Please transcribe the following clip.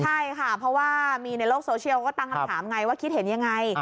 ใช่ค่ะเพราะว่ามีในโลกโซเชียลก็ตั้งคำถามไงว่าคิดเห็นยังไง